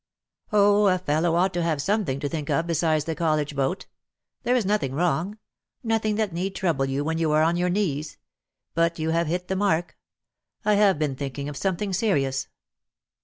"Oh, a fellow ought to have something to think of besides the college boat. There is nothing wrong, nothing that need trouble you when you are on your knees. But you have hit the mark. I have been thinking of something serious."